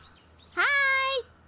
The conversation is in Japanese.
はい。